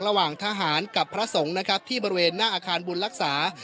ระหว่างทหารกับพระสงค์ที่บริเวณหน้าอาคารบูรร์รักษา